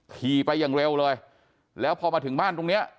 ขี่ไปอย่างเร็วเลยแล้วพอมาถึงบ้านตรงเนี้ย